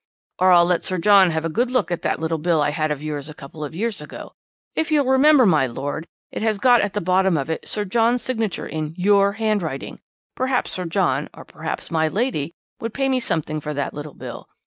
"'Or I'll let Sir John have a good look at that little bill I had of yours a couple of years ago. If you'll remember, my lord, it has got at the bottom of it Sir John's signature in your handwriting. Perhaps Sir John, or perhaps my lady, would pay me something for that little bill.